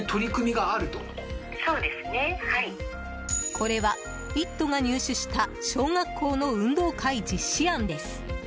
これは「イット！」が入手した小学校の運動会実施案です。